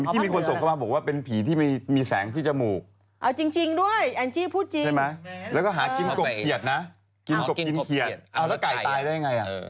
ใช่ไหมแล้วก็หากินกบเขียดนะกินกบกินเขียดเอาแล้วไก่ตายได้ยังไงอ่ะ